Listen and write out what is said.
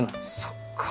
そっか！